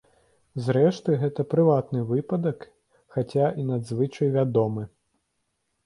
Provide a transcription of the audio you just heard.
Зрэшты, гэта прыватны выпадак, хаця і надзвычай вядомы.